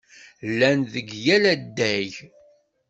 Llan deg yal adeg.